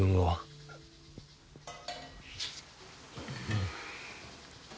うん。